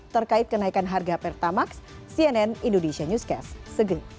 terkait kenaikan harga pertamax cnn indonesia newscast